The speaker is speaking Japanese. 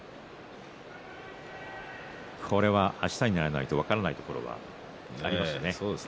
これは、あしたにならないと分からないところがありますね。